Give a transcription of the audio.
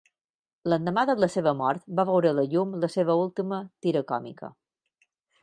L'endemà de la seva mort va veure la llum la seva última tira còmica.